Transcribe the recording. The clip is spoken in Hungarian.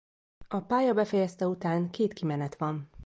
A pálya befejezte után két kimenet van.